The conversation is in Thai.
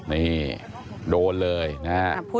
นี่โดนเลยนะฮะ